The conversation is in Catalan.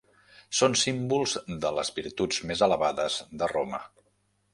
Són símbols de les virtuts més elevades de Roma.